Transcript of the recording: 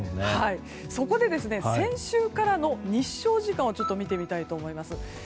先週からの日照時間を見てみたいと思います。